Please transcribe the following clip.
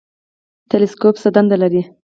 تلسکوپ څه دنده لري؟